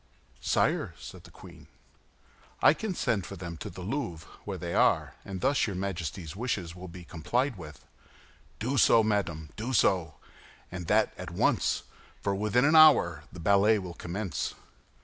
"Sire," said the queen, "I can send for them to the Louvre, where they are, and thus your Majesty's wishes will be complied with." "Do so, madame, do so, and that at once; for within an hour the ballet will commence."